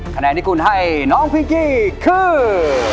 คะแนนที่คุณให้น้องพิงกี้คือ